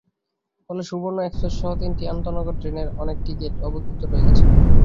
ফলে সুবর্ণ এক্সপ্রেসসহ তিনটি আন্তনগর ট্রেনের অনেক টিকিট অবিক্রীত রয়ে গেছে।